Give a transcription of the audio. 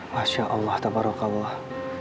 masya allah tabarak allah